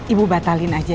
ibu batalin aku